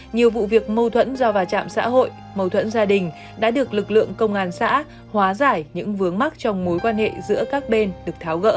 nhiều vụ việc mâu thuẫn do va chạm xã hội mâu thuẫn gia đình đã được lực lượng công an xã hóa giải những vướng mắc trong mối quan hệ giữa các bên được tháo gỡ